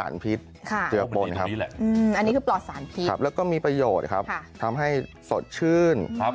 ข้างบัวแห่งสันยินดีต้อนรับทุกท่านนะครับ